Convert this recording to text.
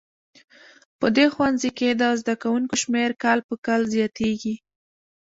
په دې ښوونځي کې د زده کوونکو شمېر کال په کال زیاتیږي